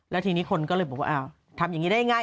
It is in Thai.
แล้วทีนี้คนก็เลยบอกว่าทำอย่างนี้ได้ง่าย